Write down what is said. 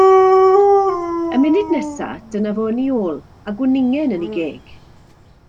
Y munud nesaf, dyna fo yn i ôl, a gwningen yn i geg.